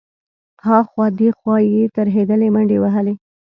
ها خوا دې خوا يې ترهېدلې منډې وهلې.